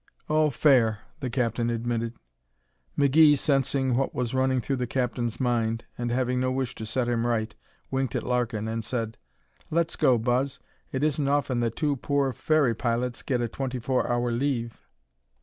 "Oh, fair," the captain admitted. McGee, sensing what was running through the captain's mind, and having no wish to set him right, winked at Larkin and said: "Let's go, Buzz. It isn't often that two poor ferry pilots get a twenty four hour leave."